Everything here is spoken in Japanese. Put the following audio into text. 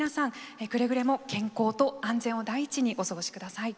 くれぐれも健康と安全を第一にお過ごしください。